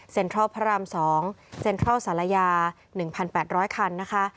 เทิลพระราม๒เซ็นทรัลศาลายา๑๘๐๐คันนะคะ